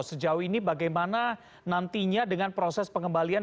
sejauh ini bagaimana nantinya dengan proses pengembalian